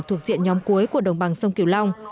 thuộc diện nhóm cuối của đồng bằng sông kiều long